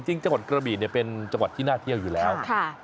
จังหวัดกระบีเป็นจังหวัดที่น่าเที่ยวอยู่แล้ว